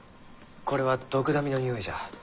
これはドクダミのにおいじゃ。